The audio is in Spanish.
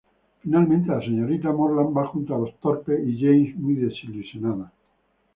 Finalmente la señorita Morland va junto a los Thorpe y James muy desilusionada.